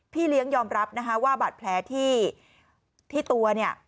พี่เลี้ยงยอมรับนะคะว่าบาดแผลที่ตัวเนี่ย